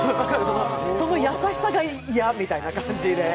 その優しさが嫌みたいな感じで。